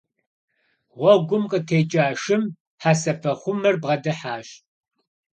Гъуэгум къытекӀа шым хьэсэпэхъумэр бгъэдыхьащ.